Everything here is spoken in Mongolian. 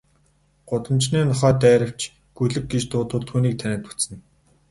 Гудамжны нохой дайравч, гөлөг гэж дуудвал түүнийг таниад буцна.